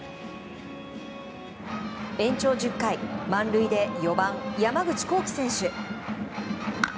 延長１０回満塁で４番、山口航輝選手。